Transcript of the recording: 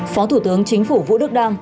phó thủ tướng chính phủ vũ đức đăng